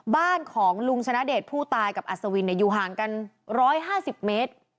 บ้านของลุงชนะเดชผู้ตายกับอัศวินอยู่ห่างกัน๑๕๐เมตร